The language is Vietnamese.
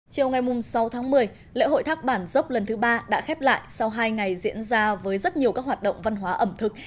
chiều ngày sáu tháng một mươi lễ hội thác bản dốc lần thứ ba đã khép lại sau hai ngày diễn ra với rất nhiều các hoạt động văn hóa ẩm thực